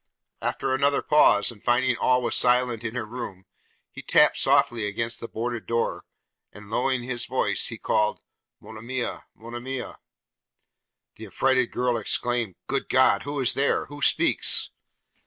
After another pause, and finding all was silent in her room, he tapped softly against the boarded door; and lowering his voice he called, 'Monimia, Monimia!' The affrighted girl exclaimed, 'Good God! who is there? who speaks?'